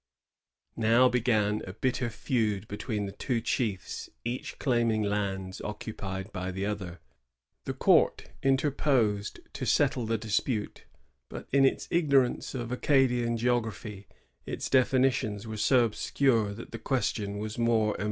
Now began a bitter feud between the two chiefs, each claiming lands occupied by the other. The Court interposed to settle the dispute, but in its ignorance of Acadian geography its definitions were so obscure that the question was more embroiled than ever.